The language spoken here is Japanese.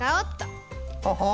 ほほう。